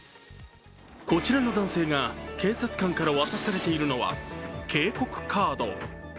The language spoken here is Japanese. こちらの男性が警察官から渡されているのは警告カード。